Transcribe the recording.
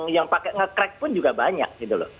yang pakai nge crack pun juga banyak gitu loh